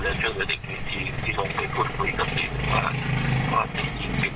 และให้เขาสูญญาณได้ถ้าเป็นแบบนี้ครับ